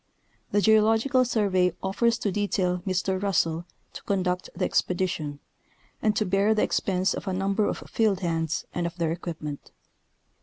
The Geological Survey offers to detail Mr. Russell to conduct the expedition, and to bear the expense of a number of field hands and of their equipment.